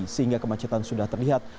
sehingga kemacetan sudah terlihat